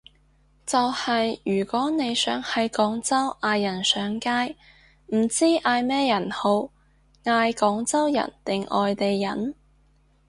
就係如果你想喺廣州嗌人上街，唔知嗌咩人好，嗌廣州人定外地人？